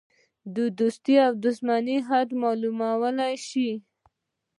د دوستی او دوښمنی حد معلومولی شوای.